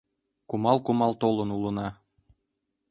Кумал-кумал толын улына.